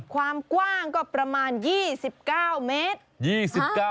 ความกว้างก็ประมาณ๒๙เมตร